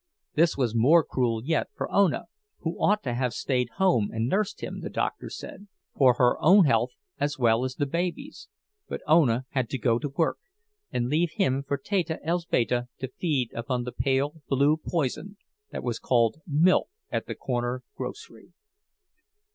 This was more cruel yet for Ona, who ought to have stayed home and nursed him, the doctor said, for her own health as well as the baby's; but Ona had to go to work, and leave him for Teta Elzbieta to feed upon the pale blue poison that was called milk at the corner grocery.